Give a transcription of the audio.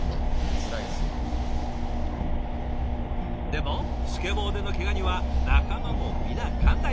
でもスケボーでのケガには仲間も皆寛大。